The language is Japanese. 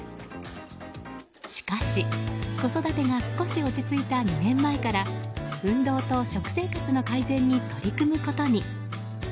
しかし、子育てが少し落ち着いた２年前から運動と食生活の改善に取り組むことに。